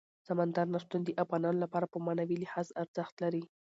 سمندر نه شتون د افغانانو لپاره په معنوي لحاظ ارزښت لري.